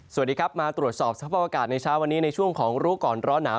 สวัสดีครับมาตรวจสอบสภาพอากาศในเช้าวันนี้ในช่วงของรู้ก่อนร้อนหนาว